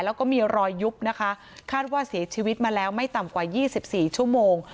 แล้วก็มีรอยยุบนะคะคาดว่าเสียชีวิตมาแล้วไม่ต่ำกว่า๒๔ชั่วโมง